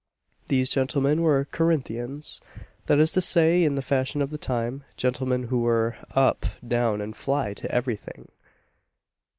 These gentlemen were Corinthians that is to say, in the fashion of the time, gentlemen who were "up, down, and fly to every thing."